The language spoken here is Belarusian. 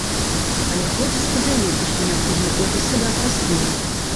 Але хлопец спадзяецца, што неабходную колькасць сабраць паспее.